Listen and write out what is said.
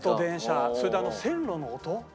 それであの線路の音。